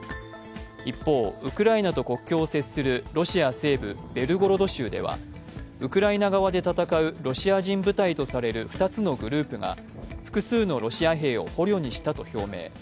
一方、ウクライナと国境を接するロシア西部ベルゴロド州ではウクライナ側で戦うロシア人部隊とされる２つのグループが複数のロシア兵を捕虜にしたと表明。